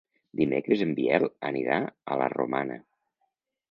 Dimecres en Biel anirà a la Romana.